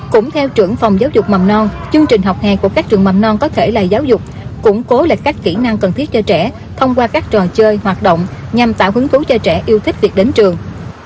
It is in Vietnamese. cũng theo trưởng phòng giáo dục mầm non chương trình học hè của các trường mầm non có thể là giáo dục củng cố lại các kỹ năng cần thiết cho trẻ thông qua các trò chơi hoạt động nhằm tạo hứng thú cho trẻ yêu thích việc đến trường